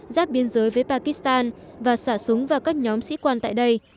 giáp biên giới với pakistan và xả súng vào các nhóm sĩ quan tại đây